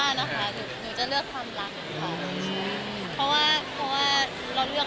หนูจะเลือกความรัก